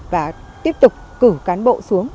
và tiếp tục cử cán bộ xuống